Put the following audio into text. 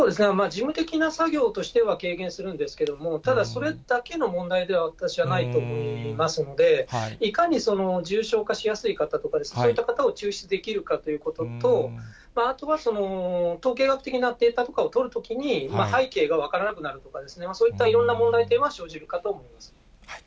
事務的な作業としては軽減するんですけれども、ただ、それだけの問題では私はないと思いますので、いかに重症化しやすい方とか、そういった方を抽出できるかということと、あとは統計学的なデータを取るときに、背景が分からなくなるとか、そういったいろんな問題というのは、生じるかと思います。